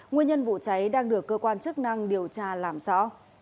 nguyên nhân vụ cháy đang được cơ quan chức năng điều tra làm rõ